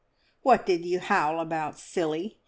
"What did you howl about, silly?"